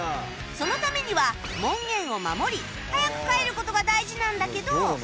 そのためには門限を守り早く帰る事が大事なんだけど